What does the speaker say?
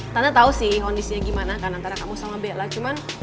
tanah tau sih kondisinya gimana kan antara kamu sama bella